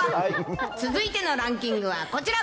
続いてのランキングはこちら。